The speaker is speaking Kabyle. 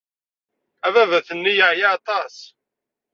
Ababat-nni yeɛya aṭas.